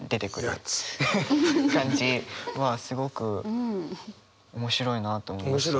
フフッ感じはすごく面白いなと思いました。